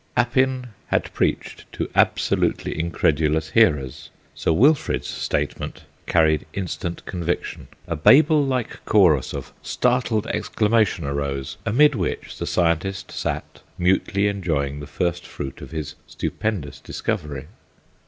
Appin had preached to absolutely incredulous hearers; Sir Wilfrid's statement carried instant conviction. A Babel like chorus of startled exclamation arose, amid which the scientist sat mutely enjoying the first fruit of his stupendous discovery.